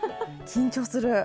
緊張する。